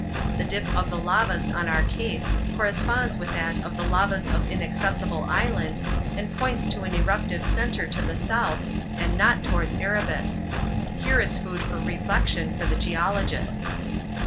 The dip of the lavas on our Cape corresponds with that of the lavas of Inaccessible Island, and points to an eruptive centre to the south and not towards Erebus. Here is food for reflection for the geologists.